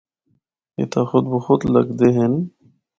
اِتھا خود بخود لگدے ہن۔